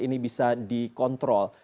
ini bisa dikontrol